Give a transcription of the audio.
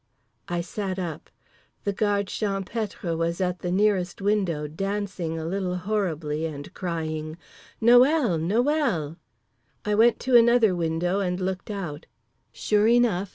_" I sat up. The Guard Champêtre was at the nearest window, dancing a little horribly and crying: "Noël! Noël!" I went to another window and looked out. Sure enough.